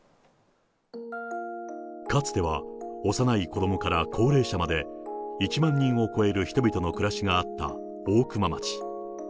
かつては幼い子どもから高齢者まで、１万人を超える人々の暮らしがあった大熊町。